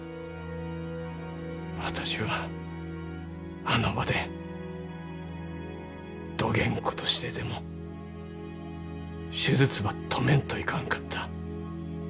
私はあの場でどげんことしてでも手術ば止めんといかんかった。